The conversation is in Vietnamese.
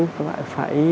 phải tham gia